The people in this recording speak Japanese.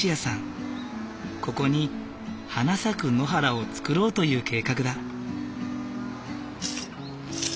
ここに花咲く野原を作ろうという計画だ。